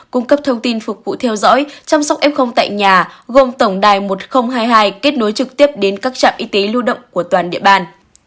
cung cấp thông tin phục vụ theo dõi chăm sóc f tại nhà gồm tổng đài một nghìn hai mươi hai kết nối trực tiếp đến các trạm y tế lưu động của toàn địa bàn